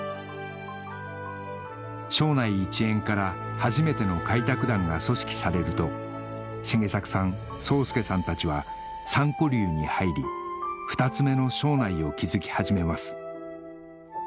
庄内一円から初めての開拓団が組織されると繁作さん壮助さんたちは三股流に入り二つめの庄内を築き始めます